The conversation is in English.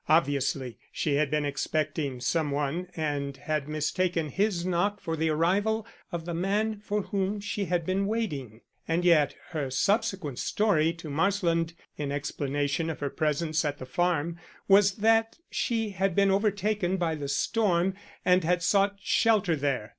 Obviously she had been expecting some one and had mistaken his knock for the arrival of the man for whom she had been waiting. And yet her subsequent story to Marsland in explanation of her presence at the farm was that she had been overtaken by the storm and had sought shelter there.